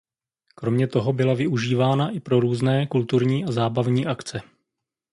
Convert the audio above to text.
Kromě toho byla využívána i pro různé kulturní a zábavní akce.